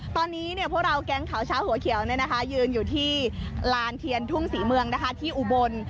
ตอนนี้พวกเราแกงข่าวชาวหัวเขียวเนี่ยนะคะยืนอยู่ที่ลานเทียนทุ่งศรีเมืองนะคะที่อุบล